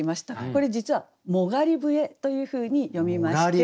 これ実は「虎落笛」というふうに読みまして。